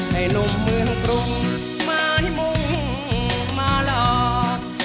ให้ลงเมืองกรุงมาที่มุ่งมาหลอก